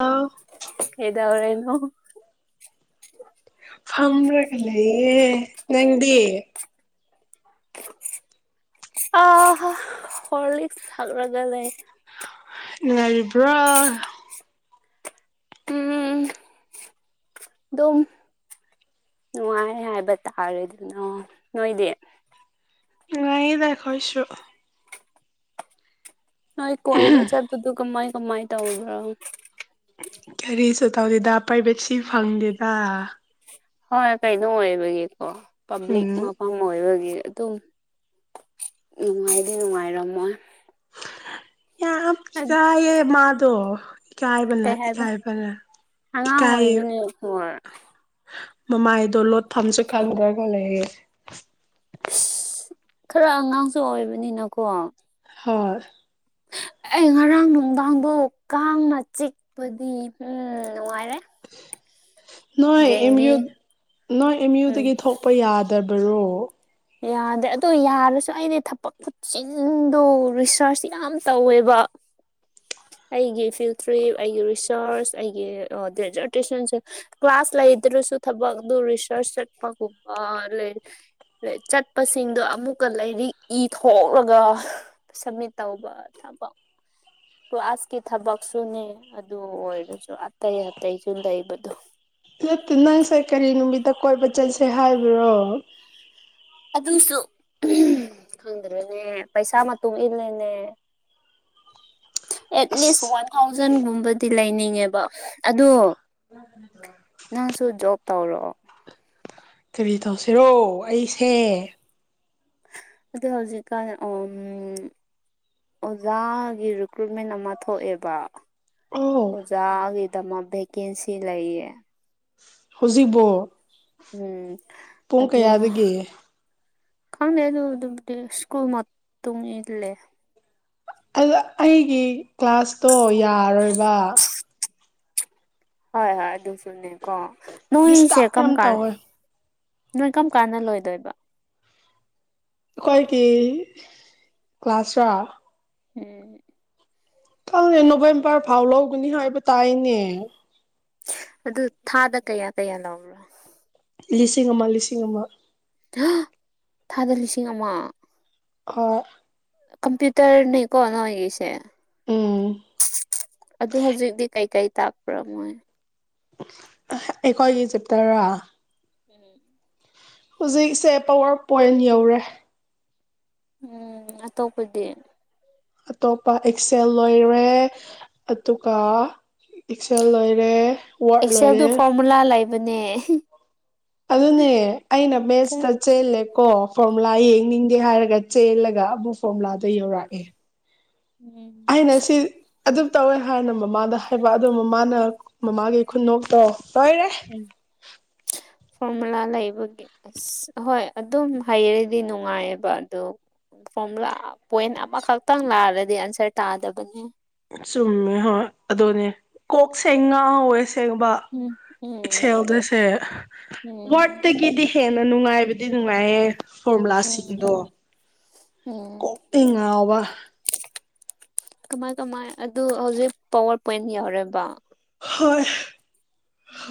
ꯑꯧ ꯍꯗꯧꯔꯦꯅꯣ ꯐꯝꯃ꯭ꯔꯒ ꯂꯩꯌꯦ ꯅꯪꯗꯤ ꯑ ꯍ ꯍꯣꯔꯂꯤꯁ ꯊꯥꯛꯂꯒ ꯂꯩ ꯉꯔꯤꯕ꯭ꯔꯣ ꯎꯝ [unintelligible] ꯑꯗꯨꯝ ꯅꯨꯡꯉꯥꯏ ꯍꯥꯏꯕ ꯇꯥꯔꯦ ꯑꯗꯨꯅ ꯅꯣꯏꯗꯤ ꯉꯗ ꯈꯣꯏꯁꯨ ꯅꯣꯏ ꯀꯣꯏꯕ ꯆꯠꯄꯗꯨ ꯀꯃꯥꯏ ꯀꯃꯥꯏ ꯇꯧꯕ꯭ꯔꯣ ꯀꯔꯤꯁꯨ ꯇꯧꯗꯦꯗ ꯄ꯭ꯔꯥꯏꯚꯦꯠ ꯁꯤ ꯐꯪꯗꯦꯗ ꯍꯣꯏ ꯀꯩꯅꯣ ꯑꯣꯏꯕꯒꯤꯀꯣ ꯄ ꯎꯝ ꯃꯐꯝ ꯑꯣꯏꯕꯒꯤ ꯑꯗꯨꯝ ꯅꯨꯡꯉꯥꯏꯗꯤ ꯅꯨꯡꯉꯥꯏꯔꯝꯃꯣꯏ ꯌꯥꯝ ꯏꯀꯥꯏꯌꯦ ꯃꯥꯗꯣ ꯏꯀꯥꯏꯕꯅ ꯀꯩ ꯏꯀꯥꯏꯕꯅ ꯏꯀꯥꯏꯌꯦ ꯍꯔ [unintelligible] ꯃꯃꯥꯏꯗꯣ ꯂꯣꯠ ꯐꯝꯁꯦ ꯈꯟꯗ꯭ꯔꯒ ꯂꯩꯌꯦ ꯈꯔ ꯑꯉꯥꯡꯁꯨ ꯑꯣꯏꯕꯅꯤꯅꯀꯣ ꯍꯣꯏ ꯑꯩ ꯉꯔꯥꯡ ꯅꯨꯡꯗꯥꯡꯗꯣ ꯀꯥꯡꯅ ꯆꯤꯛꯄꯗꯤ ꯎ ꯅꯨꯡꯉꯥꯏꯔꯦ ꯅꯣꯏ ꯑꯦꯝ ꯗꯦꯡꯒꯤ ꯌꯨ ꯅꯣꯏ ꯑꯦꯝ ꯎꯝ ꯌꯨꯗꯒꯤ ꯊꯣꯛꯄ ꯌꯥꯗꯕꯔꯣ ꯌꯥꯗ꯭ꯔꯦ ꯑꯗꯣ ꯌꯥꯔꯁꯨ ꯑꯩꯗꯤ ꯊꯕꯛ ꯈꯨꯆꯤꯟꯗꯣ ꯔꯤꯁꯔꯁ ꯌꯥꯝ ꯇꯧꯋꯦꯕ [inaudible] ꯑꯩꯒꯤ ꯐꯤꯜ ꯇ꯭ꯔꯤꯞ ꯑꯩꯒꯤ ꯔꯤꯁꯔꯁ ꯑꯩꯒꯤ ꯗꯦꯖꯔꯇꯦꯁꯟꯁꯦ ꯀ꯭ꯂꯥꯁ ꯂꯩꯗ꯭ꯔꯁꯨ ꯊꯕꯛ ꯑꯗꯨ ꯔꯤꯁꯔꯁ ꯆꯠꯄꯒꯨꯝꯕ ꯂꯩ ꯆꯠꯄꯁꯤꯡꯗꯣ ꯑꯃꯨꯛꯀ ꯂꯥꯏꯔꯤꯛ ꯏ ꯊꯣꯛꯂꯒ ꯁꯝꯃꯤꯠ ꯇꯧꯕ ꯆꯄ ꯀꯁꯀꯤ ꯊꯕꯛꯁꯨꯅꯦ ꯑꯗꯨ ꯑꯣꯏꯔꯁꯨ ꯑꯇꯩ ꯑꯇꯩꯁꯨ ꯂꯩꯕꯗꯣ ꯍꯠꯇ ꯅꯪꯁꯦ ꯀꯔꯤ ꯅꯨꯃꯤꯠꯇ ꯀꯣꯏꯕ ꯆꯠꯁꯦ ꯍꯥꯏꯕ꯭ꯔꯣ ꯑꯗꯨꯁꯨ ꯈꯪꯗ꯭ꯔꯦꯅꯦ ꯄꯩꯁꯥ ꯃꯇꯨꯡ ꯏꯜꯂꯦꯅꯦ ꯑꯦꯠꯂꯤꯁ ꯋꯥꯟ ꯑꯁ ꯊꯥꯎꯖꯟꯒꯨꯝꯕꯗꯤ ꯂꯩꯅꯤꯡꯉꯦꯕ ꯑꯗꯣ ꯅꯪꯁꯨ ꯖꯣꯕ ꯇꯧꯔꯣ ꯀꯤꯕꯤ ꯇꯧꯁꯤꯔꯣ ꯑꯩꯁꯦ ꯑ ꯍꯧꯖꯤꯛꯀꯥꯟ ꯎ ꯑꯣꯖꯥꯒꯤ ꯔꯤꯀ꯭ꯔꯨꯏꯠꯃꯦꯟ ꯑꯃ ꯊꯣꯛꯑꯦꯕ ꯑꯣ ꯑꯣꯖꯥꯒꯤꯗꯃꯛ ꯚꯦꯀꯦꯟꯁꯤ ꯂꯩꯌꯦ ꯍꯖꯤꯕ ꯎꯝ ꯑꯗꯨ ꯀꯌꯥꯗꯒꯤ ꯈꯪꯗꯦ ꯑꯗꯨꯗꯨꯕꯨꯗꯤ ꯁ꯭ꯀꯨꯜ ꯃꯇꯨꯡ ꯏꯜꯂꯦ ꯑꯗ ꯑꯩꯒꯤ ꯀ꯭ꯂꯥꯁꯇꯣ ꯌꯥꯔꯣꯏꯕ [unintelligible] ꯍꯣꯏ ꯍꯣꯏ ꯑꯗꯨꯁꯨꯨꯅꯦ ꯀꯣ ꯅꯅꯨꯡ ꯏꯁꯦ ꯗꯤꯁꯇꯥꯔꯕ ꯀꯝ ꯌꯥꯝ ꯀꯥꯥꯟ ꯇꯧꯋꯦ ꯅꯣꯏ ꯀꯔꯝ ꯀꯥꯟꯗ ꯂꯣꯏꯗꯣꯏꯕ ꯑꯩꯈꯣꯏꯒꯤ ꯀ꯭ꯂꯥꯁꯔ ꯎꯝ ꯀꯪꯉ ꯅꯣꯕꯦꯝꯕꯔ ꯐꯥꯎ ꯂꯧꯒꯅꯤ ꯍꯥꯏꯕ ꯇꯥꯏꯅꯦ ꯑꯗꯨ ꯊꯥꯗ ꯀꯌꯥ ꯀꯌꯥ ꯂꯧꯕ꯭ꯔꯣ ꯂꯤꯁꯤꯡ ꯑꯃ ꯂꯤꯁꯤꯡ ꯑꯃ ꯑ ꯊꯥꯗ ꯂꯤꯁꯤꯡ ꯑꯃ ꯍꯣꯏ ꯀꯝꯄ꯭ꯌꯨꯇꯔꯅꯤꯀꯣ ꯅ ꯑꯣꯏꯒꯤꯁꯦ ꯎꯝ ꯑꯗꯨ ꯍꯧꯖꯤꯛꯇꯤ ꯀꯩꯀꯩ ꯇꯥꯛꯄ꯭ꯔꯥ ꯃꯣꯏ ꯑꯩꯈꯣꯏꯒꯤ ꯆꯦꯞꯇꯔ ꯎꯝ ꯍꯧꯖꯤꯛꯁꯦ ꯄꯋꯥꯔ ꯄꯣꯏꯟ ꯌꯧꯔꯦ ꯎꯝ ꯑꯇꯣꯞꯄꯗꯤ ꯑꯇꯣꯞꯄ ꯑꯦꯛꯁꯦꯜ ꯂꯣꯏꯔꯦ ꯑꯗꯨꯒ ꯏꯛꯁꯟ ꯂꯣꯏꯔꯦ ꯋꯥꯔꯗ ꯑꯦꯛꯁꯦꯜꯗꯨ ꯂꯣꯏꯔꯦ ꯐꯣꯔꯃꯨꯂꯥ ꯂꯩꯕꯅꯦ ꯑꯗꯨꯅꯦ ꯑꯩꯅ ꯈꯔ ꯕꯦꯁꯇ ꯆꯦꯜꯂꯦ ꯀꯣ ꯐꯣꯔꯃꯨꯂꯥ ꯌꯦꯡꯅꯤꯡꯗꯦ ꯍꯥꯏꯔꯒ ꯆꯦꯜꯂꯒ ꯑꯃꯨꯛ ꯐꯣꯔꯃꯨꯂꯥꯗ ꯌꯧꯔꯛꯑꯦ ꯎꯝ ꯑꯩꯅ ꯁꯤ ꯑꯗꯨ ꯇꯧꯋꯦ ꯍꯥꯏꯔꯅ ꯃꯃꯥꯗ ꯍꯥꯏꯕ ꯑꯗꯣ ꯃꯃꯥꯅ ꯃꯃꯥꯒꯤ ꯈꯨꯟꯅꯣꯛꯇꯧ ꯇꯧꯏꯔꯦ ꯐꯣꯔꯃꯨꯂꯥ ꯂꯩꯕꯒꯦ ꯍꯣꯏ ꯑꯗꯨꯝ ꯍꯩꯔꯗꯤ ꯅꯨꯡꯉꯥꯏꯑꯕ ꯑꯗꯣ ꯐꯣꯔꯃꯨꯂꯥ ꯄꯣꯏꯟ ꯑꯃꯈꯛꯇꯪ ꯂꯥꯛꯔꯗꯤ ꯑꯟꯁꯔ ꯇꯥꯗꯕꯅꯦ ꯆꯨꯝꯃꯦ ꯍꯣꯏ ꯑꯗꯨꯅꯦ ꯀꯣꯛ ꯁꯦꯡ ꯉꯥ ꯍꯧꯋꯦ ꯁꯦꯡꯕ ꯎꯝ ꯏꯆꯦꯜ ꯎꯝ ꯑꯗꯨꯗꯣꯏꯁꯦ ꯎꯝ ꯋꯥꯔꯠꯇꯒꯤꯗꯤ ꯍꯦꯟꯅ ꯅꯨꯡꯉꯥꯏꯕꯗꯤ ꯅꯨꯡꯉꯥꯏꯌꯦꯦ ꯎꯝ ꯐꯣꯔꯃꯨꯂꯥꯁꯤꯡꯗꯣ ꯎꯝ ꯀꯣꯛꯇꯤ ꯉꯥꯎꯕ ꯀꯃꯥꯏ ꯀꯃꯥꯏ ꯑꯗꯨ ꯍꯧꯖꯤꯛ ꯄꯋꯥꯔ ꯄꯣꯏꯟ ꯌꯥꯎꯔꯦꯕ ꯍꯣꯏ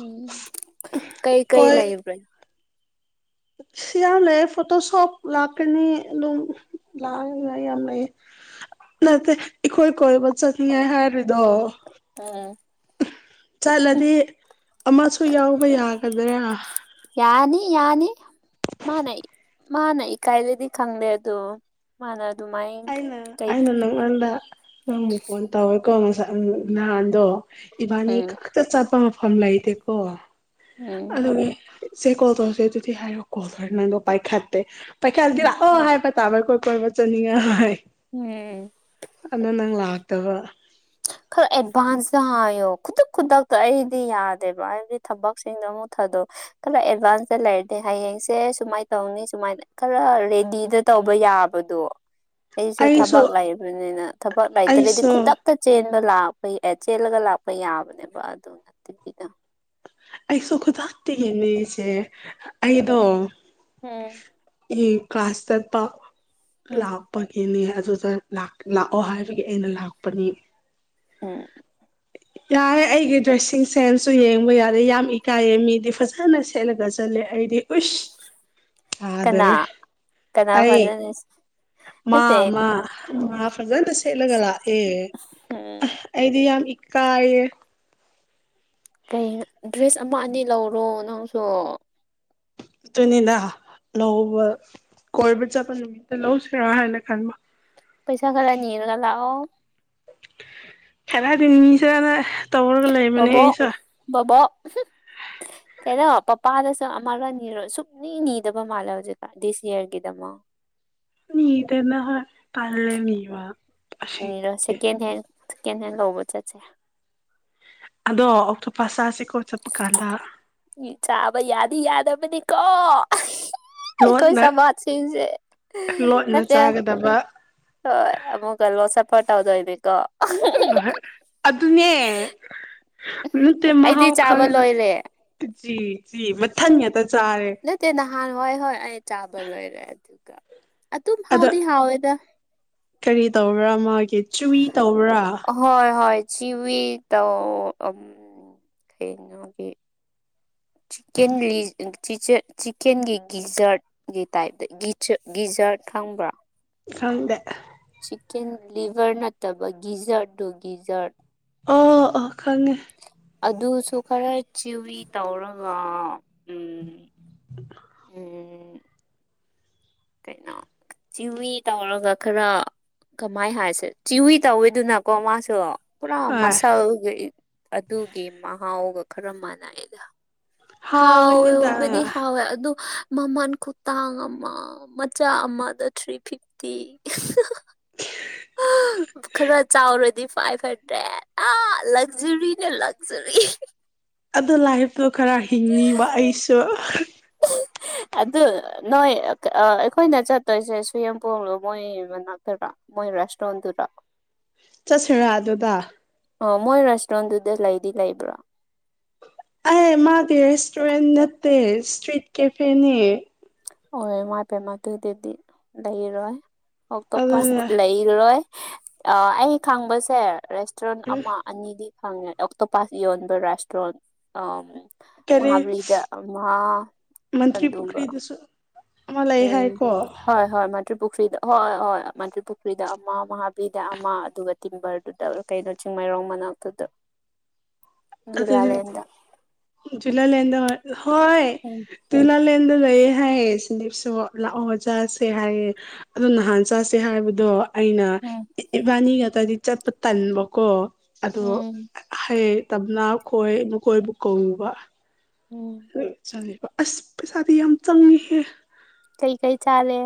ꯎꯝ ꯀꯩ ꯀꯩ ꯀꯣꯏ ꯂꯩꯕ꯭ꯔꯦ ꯁꯤ ꯌꯥꯝ ꯂꯩꯦ ꯐꯣꯇꯣ ꯁꯣꯞ ꯂꯥꯛꯀꯅꯤ ꯑꯗꯨꯝ ꯂꯥꯛꯉꯥꯏ ꯌꯥꯝ ꯂꯩ ꯅꯠꯇꯦ ꯑꯩꯈꯣꯏ ꯀꯣꯏꯕ ꯆꯠꯅꯤꯡꯉꯥꯏ ꯍꯥꯏꯔꯤꯗꯣ ꯎꯝ ꯆꯠꯂꯗꯤ ꯑꯃꯁꯨ ꯌꯥꯎꯕ ꯌꯥꯒꯗ꯭ꯔꯥ ꯌꯥꯅꯤ ꯌꯥꯅꯤ ꯃꯥꯅꯦ ꯃꯥꯅꯦ ꯀꯥꯏ ꯂꯩꯗꯤ ꯀꯪꯗꯦ ꯑꯗꯨ ꯃꯥꯅ ꯑꯗꯨꯃꯥꯏ ꯑꯩꯅ ꯑꯩꯅ ꯅꯪ ꯅꯗ ꯅꯃ ꯐꯣꯟ ꯇꯧꯋꯦꯀꯣ ꯉꯁ ꯅꯍꯥꯟꯗꯣ ꯏꯕꯥꯅꯤ ꯎꯝ ꯍꯦꯛꯇ ꯆꯠꯄ ꯃꯐꯝ ꯂꯩꯇꯦꯀꯣ ꯎꯝ ꯑꯗꯨꯒ ꯁꯦ ꯀꯣꯜ ꯇꯧꯔꯁꯦ ꯑꯗꯨꯗꯤꯤ ꯍꯥꯏꯔꯣ ꯀꯣꯔ ꯅꯗꯣ ꯄꯥꯏꯈꯥꯠꯇꯦ ꯎꯝ ꯄꯥꯏꯈꯥꯔ ꯑ ꯍꯥꯏꯦ ꯑꯔ ꯀꯣꯏ ꯀꯣꯏꯕꯆꯥꯅꯤ ꯌꯥꯥꯏ ꯎꯝ ꯑꯗꯣ ꯅꯪ ꯂꯥꯛꯇꯕ ꯈꯔ ꯑꯦꯗꯚꯥꯟꯁ ꯍꯥꯏꯌꯣ ꯈꯨꯗꯛ ꯈꯨꯗꯛꯇ ꯑꯩꯗꯤ ꯌꯥꯗꯦꯕ ꯍꯥꯏꯕꯗꯤ ꯊꯕꯛꯁꯤꯡꯗꯣ ꯑꯃꯨꯛ ꯊꯥꯗꯣꯛ ꯈꯔ ꯑꯦꯗꯚꯥꯟꯁꯇ ꯂꯩꯔꯗꯤꯦ ꯍꯌꯦꯡꯁꯦ ꯁꯨꯃꯥꯏꯅ ꯇꯧꯅꯤ ꯁꯨꯃꯥꯏꯅ ꯈꯔ ꯔꯦꯗꯤꯗ ꯇꯧꯕ ꯌꯥꯕꯗꯣ ꯑꯩꯁꯨ ꯊꯕꯛ ꯂꯩꯕꯅꯤꯅ ꯊꯕꯛ ꯂꯩꯇ꯭ꯔꯗꯤ ꯑꯩꯁꯨ ꯈꯨꯗꯛꯇ ꯆꯦꯟꯕ ꯂꯥꯛꯄ ꯆꯦꯜꯂꯒ ꯂꯥꯛꯄ ꯌꯥꯕꯅꯦꯕ ꯑꯗꯨꯅ ꯇꯤꯕꯤꯗꯣ ꯑꯩꯁꯨ ꯈꯨꯗꯇꯒꯅꯦꯁꯦ ꯑꯩꯗꯣ ꯎꯝ ꯑꯩ ꯀꯥꯁꯇꯗ ꯄ ꯎꯝ ꯂ ꯄꯒꯤꯅꯦ ꯑꯗꯨꯗ ꯂꯥꯛꯑꯣ ꯍꯥꯏꯕꯒꯤ ꯑꯩꯅ ꯂꯥꯛꯄꯅꯤ ꯑ ꯌꯥꯔꯦ ꯑꯩꯒꯤ ꯗ꯭ꯔꯦꯁꯤꯡ ꯁꯦꯟꯁꯁꯨ ꯌꯦꯡꯕ ꯌꯥꯔꯦ ꯌꯥꯝ ꯏꯀꯥꯏꯌꯦ ꯃꯤꯗꯤ ꯐꯖꯅ ꯁꯦꯠꯂꯒ ꯆꯠꯂꯦ ꯑꯩꯗꯤ ꯍꯁ ꯀꯅꯥ ꯑꯗꯨꯔꯦ ꯀꯅꯥ ꯑꯩ ꯐꯖꯅ ꯃꯥ ꯅꯠꯇꯦ ꯃꯥ ꯃꯥ ꯐ꯭ꯔꯖꯗ ꯁꯦꯠꯂꯒ ꯂ ꯑꯦ ꯎꯝ ꯑꯩꯗꯤ ꯌꯥꯝ ꯏꯀꯥꯏꯌꯦ ꯀꯩꯅꯣ ꯗ꯭ꯔꯦꯁ ꯑꯃ ꯑꯅꯤ ꯂꯧꯔꯣ ꯅꯪꯁꯨ ꯑꯗꯨꯅꯤꯅ ꯂꯧꯕ ꯀꯣꯏꯕ ꯆꯠꯄ ꯅꯨꯃꯤꯠꯇ ꯂꯧꯁꯤꯔꯥ ꯍꯥꯏꯅ ꯈꯟꯕ ꯄꯩꯁꯥ ꯀꯂꯥꯅꯤꯔꯒꯂ ꯍꯦꯗꯗꯤꯅꯤꯁꯅ ꯕꯣ ꯕꯥꯣ ꯍꯗꯣ ꯄꯄꯥꯗꯁꯨ ꯑꯃꯒ ꯅꯤꯔꯣ ꯁꯨꯞꯅꯤ ꯅꯤꯗꯕ ꯃꯥꯜꯂꯦ ꯍꯧꯖꯤꯛꯀ ꯗꯤꯁ ꯌꯔꯒꯤꯗ ꯑꯃꯨꯛ ꯃꯤꯗꯅ ꯍ ꯇꯔꯂꯦ ꯃꯤꯕ ꯀꯦꯟ ꯍꯦꯟ ꯀꯦꯟ ꯍꯦꯟ ꯂꯧꯕ ꯆꯠꯁꯦ ꯑꯗꯣ ꯑꯇꯣꯞ ꯄꯁꯁꯤꯦꯀꯣ ꯆꯠꯄ ꯀꯥꯟꯗ ꯆꯥꯕ ꯌꯥꯗꯤ ꯌꯥꯗꯕꯅꯤꯀꯣ ꯀꯣꯏ ꯂꯣꯠꯅ ꯆ ꯃ ꯁꯤꯁꯦ ꯂꯣꯠꯅ ꯅꯦ ꯆꯥꯒꯗꯕ ꯍꯣꯏꯨꯛꯒꯂ ꯃꯁ ꯐꯠꯗꯣꯏꯅꯦꯀꯣ ꯣꯏ ꯑꯗꯨꯅꯦ ꯅꯠꯇꯦ ꯑꯩꯗꯤ ꯃꯍꯥꯎ ꯆꯥꯕ ꯈꯪꯗ꯭ꯔꯦ ꯂꯣꯏꯔꯦ ꯃꯊꯌꯥ ꯇ ꯆꯥꯔꯦ ꯅꯠꯇꯦ ꯅꯍꯥꯟ ꯍꯣꯏ ꯍꯣꯏ ꯑꯩ ꯆꯥꯕ ꯂꯣꯏꯔꯦ ꯑꯗꯨꯒ ꯑꯗꯨꯝ ꯑꯗꯣ ꯍꯥꯎꯗꯤ ꯍꯥꯎꯋꯦꯗ ꯀꯔꯤ ꯇꯧꯕ꯭ꯔꯥ ꯃꯥꯒꯤ ꯆꯨꯋꯏ ꯇꯧꯕ꯭ꯔꯥ ꯍꯣꯏ ꯍꯣꯏ ꯆꯤꯋꯤ ꯇ ꯀꯩꯅꯣꯒꯤ ꯆꯤꯀꯦꯟ ꯂꯤ ꯆꯤꯀꯦꯟꯒꯤ ꯒꯤꯖꯔꯠ ꯒꯤ ꯇꯥꯏꯞꯇ ꯒꯤ ꯒꯤꯖꯔꯠ ꯈꯪꯕ꯭ꯔꯥ ꯍꯗꯦ ꯆꯤꯛꯀꯦꯟ ꯂꯤꯚꯔ ꯅꯠꯇꯕ ꯒꯤꯖꯔꯠꯗꯨꯨ ꯒꯤꯖꯔꯠ ꯑ ꯑꯥ ꯈꯪꯉꯦ ꯑꯗꯨꯁꯨ ꯈꯔ ꯆꯤꯋꯤ ꯇꯧꯔꯒ ꯎꯝ ꯎ ꯎ ꯀꯩꯅꯣ ꯆꯤꯋꯤ ꯇꯧꯔꯒ ꯈꯔ ꯀꯃꯥꯏ ꯍꯥꯏꯁꯦ ꯆꯤꯋꯨꯏ ꯇꯧꯋꯤꯗꯨꯅꯀꯣ ꯃꯥꯁꯨ ꯄꯨꯔꯥ ꯍꯣꯏ ꯃꯁꯥꯜꯒ ꯑꯗꯨꯒꯤ ꯃꯍꯥꯎꯒ ꯈꯔ ꯃꯥꯟꯅꯩꯗ ꯍꯥꯎꯒꯅꯤꯗ ꯍꯥꯎꯕꯗꯤ ꯍꯥꯎ ꯑꯗꯨ ꯃꯃꯟ ꯈꯨꯇꯥꯡ ꯑꯃ ꯃꯆꯥ ꯑꯃꯗ ꯊ꯭ꯔꯤ ꯐꯤꯐꯇꯤ ꯈꯔ ꯆꯥꯎꯔꯗꯤ ꯐꯥꯏꯚ ꯍꯟꯗ꯭ꯔꯦꯠ ꯑ ꯂꯛꯖꯔꯤꯅꯦ ꯂꯛꯖꯔꯤ ꯑ ꯂꯥꯏꯐꯇꯣ ꯈꯔ ꯍꯤꯡꯉꯕ ꯑꯩꯁꯨ ꯑꯗꯨ ꯅꯣꯏ ꯑꯩꯈꯣꯏꯅ ꯆꯠꯇꯣꯏꯁꯦ ꯁꯨꯌꯦꯄꯣꯕꯣ ꯃꯣꯏ ꯃꯅꯥꯛꯇꯕꯥ ꯃꯣꯏ ꯔꯁꯣꯗꯨꯔ ꯆꯠꯁꯤꯔꯥ ꯑꯗꯨꯗ ꯑ ꯃꯣꯏ ꯔꯦꯁꯇꯨꯔꯦꯟꯗꯨꯗ ꯂꯩꯗꯤ ꯂꯩꯕ꯭ꯔꯥ ꯑꯩ ꯃꯥꯒꯤ ꯔꯦꯁꯇꯨꯔꯦꯟ ꯅꯠꯇꯦ ꯏꯁꯇ꯭ꯔꯤꯠ ꯀꯦꯐꯦꯅꯦ ꯑꯣꯣꯏ ꯃꯥꯏ ꯏ ꯄꯦ ꯃ ꯑꯗꯨꯗꯨꯗꯤ ꯂꯩꯔꯣꯏꯛꯇꯣ ꯑꯗꯨꯅ ꯂꯩ ꯏꯔꯣꯏ ꯑꯩ ꯈꯪꯕꯁꯦ ꯔꯦꯁꯇꯨꯔꯦꯟ ꯑꯃ ꯑꯅꯤꯗꯤ ꯍꯪꯉꯦ ꯑꯣꯛꯇꯣ ꯄꯥꯁ ꯌꯣꯟꯕ ꯔꯥꯁꯇ꯭ꯔꯣꯟ ꯑ ꯀꯔꯤ ꯃꯍꯥꯕꯔꯤꯗ ꯃꯥ ꯃꯟꯇ꯭ꯔꯤ ꯑꯗꯨꯒ ꯄꯨꯈ꯭ꯔꯤꯗꯨꯁꯨ ꯑꯃ ꯂꯩ ꯎꯝ ꯍꯥꯏꯀꯣ ꯍꯣꯏ ꯍꯣꯏ ꯃꯥ ꯇ꯭ꯔꯤꯄꯨꯈ꯭ꯔꯤꯗ ꯍꯣꯏ ꯍꯣꯏ ꯃꯥ ꯇ꯭ꯔꯤꯄꯨꯈ꯭ꯔꯤꯗ ꯑꯃ ꯃꯍꯥꯕꯤꯗ ꯑꯃ ꯑꯗꯨꯒ ꯇꯤꯝꯕꯔꯗꯨꯗ ꯀꯩꯅꯣ ꯆꯤꯡꯃꯩꯔꯣꯡ ꯃꯅꯥꯛꯇꯨꯗ ꯑ ꯒꯤꯂꯥꯂꯦꯟꯗ ꯖꯨꯂ ꯂꯗ ꯍꯣꯏ ꯎꯝ ꯇꯨ ꯂꯥꯜꯂꯦꯟꯗ ꯂꯩꯌꯦ ꯍ ꯁꯤꯟꯗꯤ ꯐꯁꯨ ꯂꯥꯛꯑꯣꯖꯥꯁꯦ ꯍꯥꯏꯌꯦ ꯑꯗꯣ ꯅꯍꯥꯟ ꯆꯥꯁꯦ ꯍꯥꯏꯕꯗꯣ ꯑꯩꯅ ꯎꯝ ꯏꯕꯥꯅꯤ ꯉꯥꯛꯇꯗꯤ ꯆꯠꯄ ꯇꯟꯕꯀꯣ ꯑꯗꯣ ꯎꯝ ꯍꯌꯦ ꯇꯞꯅ ꯈꯣꯏ ꯃꯈꯣꯏꯕꯨ ꯀꯧꯕꯧꯕ ꯎꯝ ꯕ ꯑꯁ ꯄꯩꯁꯥꯗꯤ ꯌꯥꯝ ꯆꯪꯉꯤꯍꯦ ꯀꯩ ꯀꯩ ꯆꯥꯂꯦ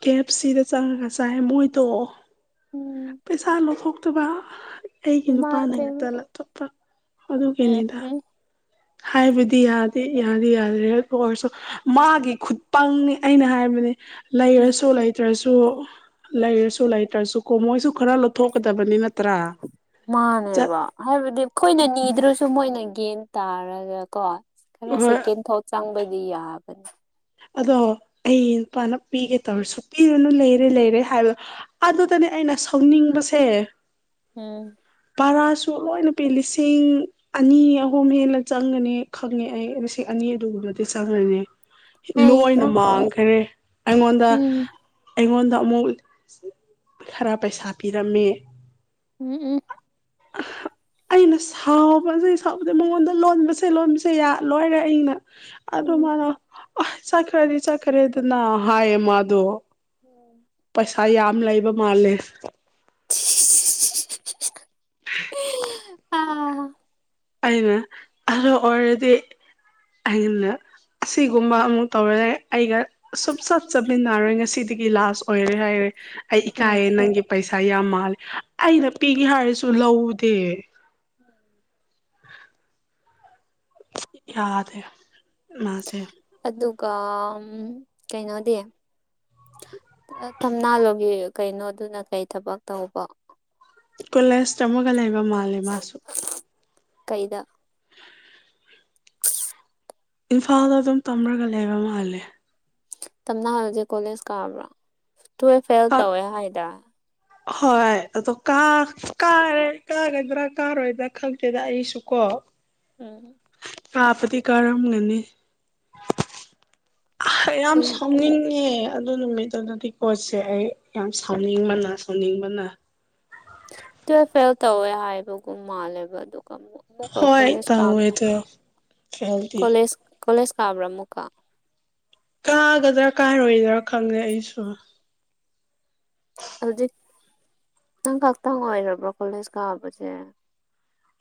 ꯀꯦ ꯑꯦꯐ ꯁꯤꯗ ꯆꯪꯉꯒ ꯆꯥꯏ ꯃꯣꯏꯗꯣ ꯎꯝ ꯄꯩꯁꯥ ꯂꯧꯊꯣꯛ ꯑ ꯑꯩꯒꯤ ꯏꯃꯥ ꯅꯨꯄꯥꯅ ꯏꯕꯦꯝꯃ ꯉꯥꯛꯇ ꯂꯇꯣꯞꯄ ꯎꯝ ꯑꯗꯨꯒꯤꯅꯤꯗ ꯎꯝ ꯍꯥꯏꯕꯗꯤ ꯌꯥꯗꯤ ꯌꯥꯗꯤ ꯌꯥꯗ꯭ꯔꯦ ꯑꯧ ꯑꯣꯏꯔꯁꯨ꯫ ꯃꯥꯒꯤ ꯈꯨꯠꯄꯪꯅꯤ ꯑꯩꯅ ꯍꯥꯏꯕꯅꯦ ꯂꯩꯔꯁꯨ ꯂꯩꯇ꯭ꯔꯁꯨ꯫ ꯂꯩꯔꯁꯨ ꯂꯩꯇ꯭ꯔꯁꯨ ꯀꯣ ꯃꯣꯏꯁꯨ ꯈꯔ ꯂꯧꯊꯣꯛꯀꯗꯕꯅꯤ ꯅꯠꯇ꯭ꯔꯥ꯫ ꯆꯠ ꯃꯥꯅꯦꯕ ꯍꯥꯏꯕꯗꯤ ꯑꯩꯈꯣꯏꯅ ꯅꯤꯗ꯭ꯔꯁꯨ ꯃꯣꯏꯅ ꯒꯦꯟ ꯇꯥꯔꯒꯀꯣ ꯈꯔ ꯍꯣꯏ ꯁꯦꯀꯦꯟ ꯊꯣꯠ ꯆꯥꯡꯕꯗꯤ ꯌꯥꯕꯅꯤ꯫ ꯑꯗꯣ ꯑꯩ ꯅꯨꯄꯥꯅ ꯄꯤꯒꯦ ꯇꯧꯔꯁꯨ ꯄꯤꯔꯨꯅꯨ ꯂꯩꯔꯦ ꯂꯩꯔꯦ ꯍꯥꯏꯕꯣ ꯑꯗꯨꯗꯅꯦ ꯑꯩꯅ ꯁꯧꯅꯤꯡꯕꯁꯦ꯫ ꯎꯝ꯫ ꯕꯔꯥꯁꯨ ꯂꯣꯏꯅ ꯄꯤ ꯂꯤꯁꯤꯡ ꯑꯅꯤ ꯑꯍꯨꯝ ꯍꯦꯂ ꯆꯪꯒꯅꯤ ꯈꯪꯉꯦ ꯑꯩ ꯉꯁꯤ ꯑꯅꯤ ꯑꯗꯨꯒꯨꯝꯕꯗꯤ ꯆꯪꯉꯅꯤ ꯂꯣꯏꯅ ꯑꯩꯍꯥ ꯃꯥꯡꯈ꯭ꯔꯦ ꯑꯩꯉꯣꯟꯗ ꯎꯝ ꯑꯩꯉꯣꯟꯗ ꯑꯃꯨꯛ ꯈꯔ ꯄꯩꯁꯥ ꯄꯤꯔꯝꯃꯦ ꯎꯝ ꯎꯝ ꯑ ꯑꯩꯅ ꯁꯥꯎꯕꯁ ꯁꯥꯎꯕꯗ ꯃꯉꯣꯟꯗ ꯂꯣꯟꯕꯁꯦ ꯂꯣꯟꯕꯁꯦ ꯌꯥ ꯂꯣꯏꯔꯦ ꯑꯩꯅ ꯑꯗꯨ ꯎꯝ ꯃꯥꯅ ꯑ ꯆꯠꯈ꯭ꯔꯗꯤ ꯆꯠꯈ꯭ꯔꯦꯗꯅ ꯍꯥꯏꯌꯦ ꯃꯥꯗꯣ ꯎꯝ ꯄꯩꯁꯥ ꯌꯥꯝ ꯂꯩꯕ ꯃꯥꯜꯂꯦ [unintelligible] [unintelligible] ꯑꯥ꯫ ꯑꯩꯅ ꯑꯗꯣ ꯑꯣꯏꯔꯗꯤ ꯑꯩꯅ ꯑꯁꯤꯒꯨꯝꯕ ꯑꯃꯨꯛ ꯇꯧꯔꯦ ꯑꯩꯒ꯫ ꯁꯨꯝ ꯆꯞ ꯆꯞꯃꯤꯟꯅꯔꯣꯏ ꯉꯁꯤꯗꯒꯤ ꯂꯥꯁ ꯑꯣꯏꯔꯦ ꯍꯥꯏꯔꯦ꯫ ꯑꯩ ꯎꯝ ꯏꯀꯥꯏꯌꯦ ꯅꯪꯒꯤ ꯄꯩꯁꯥ ꯌꯥꯝ ꯃꯥꯜꯂꯦ ꯑꯩꯅ ꯄꯤꯒꯦ ꯍꯥꯏꯔꯁꯨ ꯂꯧꯗꯦ꯫ [inaudible] ꯌꯥꯗꯦ ꯃꯥꯁꯦ꯫ ꯑꯗꯨꯒ ꯑꯝ ꯀꯩꯅꯣꯗꯤ ꯊꯝꯅꯥꯂꯣꯒꯤ ꯀꯩꯅꯣꯗꯨꯅ ꯀꯩ ꯊꯕꯛ ꯇꯧꯕ꯫ ꯀꯣꯂꯦꯖ ꯇꯃꯒ ꯂꯩꯕ ꯃꯥꯜꯂꯦ ꯃꯥꯁꯨ꯫ ꯀꯩꯗ꯫ ꯏꯝꯐꯥꯜꯗ ꯑꯗꯨꯝ ꯇꯝꯔꯒ ꯂꯩꯕ ꯃꯥꯜꯂꯦ꯫ ꯇꯝꯅꯍꯜ ꯖꯦ ꯀꯣꯂꯦꯖ ꯀꯥꯕ꯭ꯔꯣ ꯇꯨꯌꯦꯜꯐ ꯐꯦꯜ ꯈ ꯇꯧꯋꯦ ꯍꯥꯏꯗ ꯍꯣꯏ ꯑꯗꯣ ꯀꯥ ꯀꯥꯔꯦ ꯀꯥꯒꯗ꯭ꯔꯥ ꯀꯥꯔꯣꯏꯗ꯭ꯔꯥ ꯈꯪꯗꯦꯗ ꯑꯩꯁꯨ ꯀꯣ ꯎꯝ꯫ ꯄꯥꯄꯗꯤ ꯀꯥꯔꯝꯒꯅꯤ꯫ ꯌꯥꯝ ꯎꯝ ꯁꯥꯎꯅꯤꯡꯉꯦ ꯑꯗꯨ ꯅꯨꯃꯤꯠꯇ ꯗꯨꯨꯗꯗꯤ ꯀꯣꯆꯁꯦ ꯑꯩ ꯌꯥꯝ ꯁꯥꯎꯅꯤꯡꯕꯅ ꯁꯥꯎꯅꯤꯡꯕꯅ꯫ ꯇꯨꯌꯦꯜꯐ ꯐꯦꯜ ꯇꯧꯋꯦ ꯍꯥꯏꯕꯒꯨꯝ ꯃꯥꯜꯂꯦꯕ ꯑꯗꯨꯒ ꯑꯃꯨꯛ ꯑꯃꯨꯛꯀ ꯍꯣꯏ ꯀꯣꯂꯦꯖ ꯇꯧꯋꯦ ꯀꯥꯕ꯭ꯔꯥ ꯑꯗꯣ ꯐꯦꯜꯗꯤ ꯀꯣꯂꯦꯖ ꯀꯣꯂꯦꯖ ꯀꯥꯕ꯭ꯔꯥ ꯑꯃꯨꯛꯀ꯫ ꯀꯥꯒꯗ꯭ꯔꯥ ꯀꯥꯔꯣꯏꯗ꯭ꯔꯥ ꯈꯪꯉꯦ ꯑꯩꯁꯨ꯫ ꯍꯧꯖꯤꯛ ꯅꯪ ꯈꯛꯇꯪ ꯑꯣꯏꯔꯕꯣ ꯀꯣꯂꯦꯖ ꯀꯥꯕꯁꯦ꯫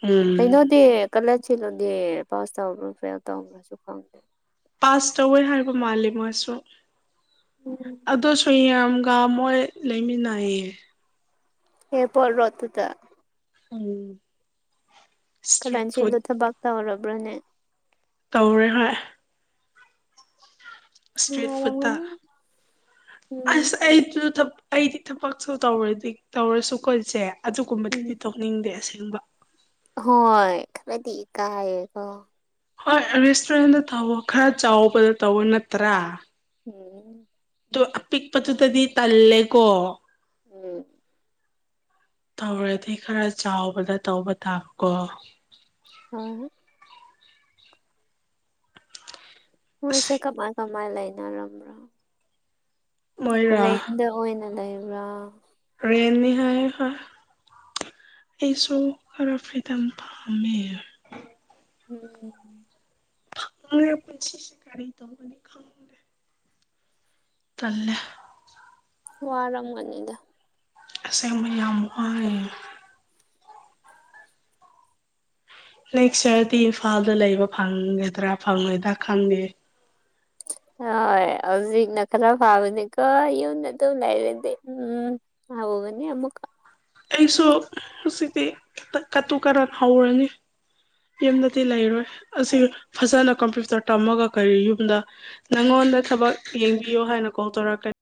ꯎꯝ ꯀꯩꯅꯣꯗꯤ ꯀꯂ ꯁꯤꯜꯂꯣꯗꯤ ꯄꯥꯁ ꯇꯧꯕ꯭ꯔꯥ ꯐꯦꯜ ꯇꯕ꯭ꯔꯥꯁꯨ ꯈꯪꯗꯦ ꯄꯥꯁ ꯇꯧꯋꯦ ꯍꯥꯏꯕ ꯃꯥꯂꯦ ꯃꯣꯏꯁꯨ ꯎꯝ ꯑꯗꯨꯁꯨ ꯌꯥꯝ ꯀꯥ ꯃꯣꯏ ꯂꯩꯃꯤꯟꯅꯌꯦ꯫ ꯑꯦꯔꯄ꯭ꯔꯣꯠ ꯔꯣꯗ ꯇꯨꯗ꯫ ꯎꯝ꯫ ꯏꯁꯇ꯭ꯔꯤꯠ ꯀꯜꯂꯥꯢꯟꯁꯤꯜꯗꯨ ꯐꯨꯗ ꯊꯕꯛ ꯇꯧꯔꯕ꯭ꯔꯅꯦ꯫ ꯇꯧꯔꯦ ꯍꯣꯏ꯫ ꯁꯇ꯭ꯔꯤꯠ ꯐꯨꯠꯇ꯫ ꯅꯨꯡꯉꯥꯏꯔꯝꯒꯅꯤ ꯎꯝ ꯑꯁ ꯑꯩꯁꯨ ꯊꯕ ꯑꯩꯗꯤ ꯊꯕꯛꯁꯨ ꯇꯧꯔꯗꯤ ꯇꯧꯔꯁꯨ ꯀꯣꯢꯖꯦ ꯎꯝ ꯑꯗꯨꯒꯨꯝꯕꯗꯨꯗꯤ ꯇꯧꯅꯤꯡꯗꯦ ꯑꯁꯦꯡꯕ ꯍꯣꯏ ꯈꯔꯗꯤ ꯀꯥꯏꯑꯀꯣ ꯍꯣꯏ ꯔꯦꯁꯇꯨꯔꯦꯟꯗ ꯇꯧꯕ ꯈꯔ ꯆꯥꯎꯕꯗ ꯇꯧꯕ ꯅꯠꯇ꯭ꯔꯥ ꯎꯝ ꯑꯗꯨ ꯑꯄꯤꯛꯄꯗꯨꯗꯗꯤ ꯇꯜꯂꯦꯀꯣ ꯎꯝ ꯇꯧꯔꯗꯤ ꯈꯔ ꯆꯥꯎꯕꯗ ꯇꯧꯕ ꯇꯥꯕꯀꯣ ꯑ ꯑꯁ ꯍꯣꯏꯁꯦ ꯀꯃꯥꯏ ꯀꯃꯥꯏ ꯂꯩꯅꯔꯝꯕ꯭ꯔꯣ꯫ ꯃꯣꯏꯔꯥ ꯔꯦꯟꯗ ꯑꯣꯏꯅ ꯂꯩꯕ꯭ꯔꯥ꯫ ꯔꯦꯅꯤ ꯍꯥꯏ ꯍ ꯑꯩꯁꯨ ꯈꯔ ꯐ꯭ꯔꯤꯗꯝ ꯄꯥꯝꯃꯦ꯫ ꯎꯝꯝ꯫ [unintelligible] ꯇꯜꯂꯦ꯫ ꯋꯥꯔꯝꯒꯅꯤꯗ꯫ ꯑꯁꯦꯡꯕ ꯌꯥꯝ ꯋꯥꯢꯌꯦ꯫ ꯅꯦꯛꯁ ꯌꯔꯗꯤ ꯏꯝꯐꯥꯜꯗ ꯂꯩꯕ ꯐꯪꯒꯗ꯭ꯔꯥ ꯐꯪꯉꯣꯏꯗ꯭ꯔꯥ ꯈꯪꯗꯦ꯫ ꯍꯣꯏ ꯍꯧꯖꯤꯛꯅ ꯈꯔ ꯐꯥꯕꯅꯤꯀꯣ ꯌꯨꯝꯗ ꯑꯗꯨꯝ ꯂꯩꯔꯗꯤ ꯎꯝ ꯍ ꯍꯒꯅꯤꯃꯛ ꯑꯩꯁꯨ ꯍꯧꯖꯤꯛꯇꯤ ꯀꯠꯇꯨ ꯀꯔ ꯍꯥꯎꯔꯅꯤꯦ ꯌꯦꯝꯅꯗꯤ ꯂꯩꯔꯣꯏ ꯑꯁꯤ ꯐꯖꯅ ꯀꯝꯄ꯭ꯌꯨꯇꯔ ꯇꯝꯃꯒ ꯀꯔꯤ ꯌꯨꯝꯗ ꯅꯪꯉꯣꯟꯗ ꯊꯕꯛ ꯌꯦꯡꯕꯤꯌꯣ ꯍꯥꯏꯅ ꯀꯣꯜ ꯇꯧꯔꯛꯀꯅꯤ